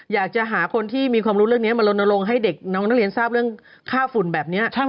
อยากจะหาคนที่มีความรู้เรื่องนี้มาลนลงให้เด็กน้องนักเรียนทราบเรื่องค่าฝุ่นแบบนี้